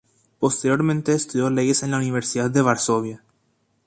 Posteriormente estudió Leyes en la Universidad de Varsovia.